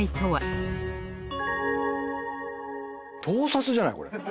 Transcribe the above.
盗撮じゃないこれ。